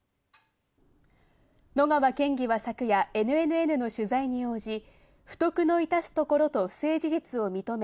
野川県議は昨夜、ＮＮＮの取材に応じ、不徳のいたすところと不正事実を認め